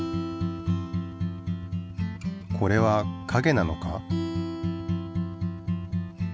これはかげなのか？